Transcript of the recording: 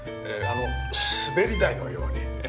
滑り台のように。